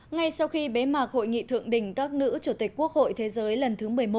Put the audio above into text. ngay sau khi bế mạc hội nghị thượng đỉnh các nữ chủ tịch quốc hội thế giới lần thứ một mươi một